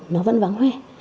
nó vẫn vắng hoe